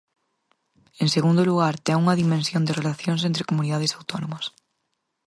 En segundo lugar, ten unha dimensión de relacións entre comunidades autónomas.